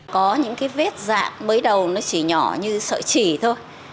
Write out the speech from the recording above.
có những cái vết dạng mới đầu nó chỉ nhỏ như sợi chỉ thôi